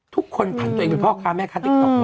ทุกคนผ่านตัวเองเป็นพ่อค้าแม่ค่าติดตาม